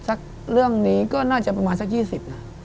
เรื่องนี้ก็น่าจะประมาณสัก๒๐นะ